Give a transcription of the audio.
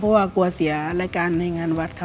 เพราะว่ากลัวเสียรายการในงานวัดค่ะ